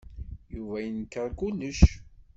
Yuba yenkeṛ kullec.